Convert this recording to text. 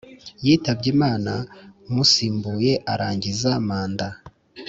yitabye Imana umusimbuye arangiza manda